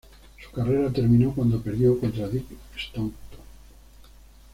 Su carrera terminó cuando perdió contra Dick Stockton.